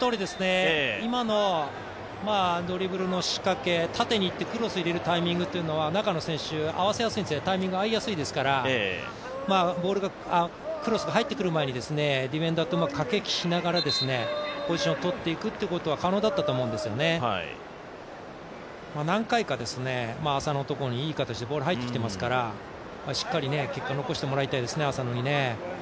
今のドリブルの仕掛け、縦にいってクロス入れるタイミングというのは中の選手、合わせやすい、タイミング合いやすいですからクロスが入ってくる前にディフェンダーとうまく駆け引きしながらポジション取っていくっていうことは可能だったと思うんですよね、何回か浅野のところにいい形でボールが入ってきていますからしっかり結果を残してもらいたいですね、浅野に。